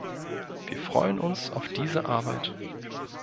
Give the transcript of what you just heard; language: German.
Wir freuen uns auf diese Arbeit.